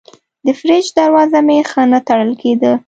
د فریج دروازه مې ښه نه تړل کېده.